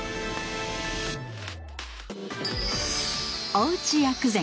おうち薬膳！